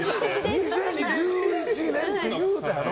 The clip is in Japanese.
２０１１年って言うたやろ。